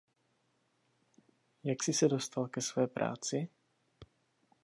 Jak jsi se dostal ke své práci?